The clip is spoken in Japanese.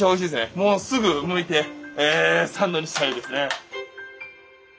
もうすぐむいてサンドにしたいですね。